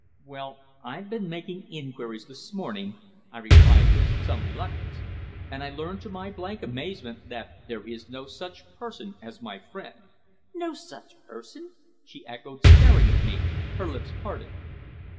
"Well, I've been making inquiries this morning," I replied with some reluctance, "and I learn to my blank amazement that there is no such person as my friend." "No such person!" she echoed, staring at me, her lips parted.